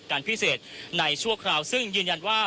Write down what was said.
คุณทัศนาควดทองเลยค่ะ